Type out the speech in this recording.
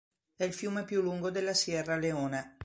È il fiume più lungo della Sierra Leone.